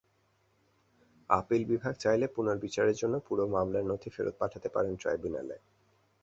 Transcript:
Appeal বিভাগ চাইলে পুনর্বিচারের জন্য পুরো মামলার নথি ফেরত পাঠাতে পারেন ট্রাইব্যুনালে।